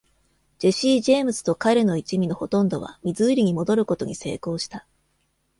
ジェシー・ジェームズと彼の一味のほとんどはミズーリに戻ることに成功した。